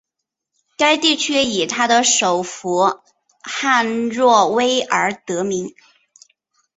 该地区以它的首府汉诺威而得名。